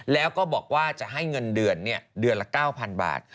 แล้วก็บอกว่าจะให้เงินเดือนเดือนละ๙๐๐บาท